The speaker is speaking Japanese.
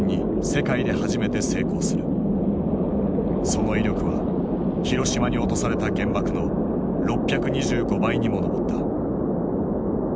その威力は広島に落とされた原爆の６２５倍にも上った。